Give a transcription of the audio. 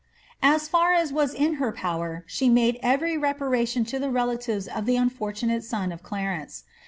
As far as was in her power she made every reparation to the relatives of the unfortunate son of Clarence.